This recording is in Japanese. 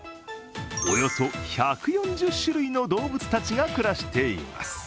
およそ１４０種類の動物たちが暮らしています。